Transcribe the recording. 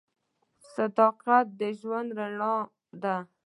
صداقت د ژوند رڼا ده.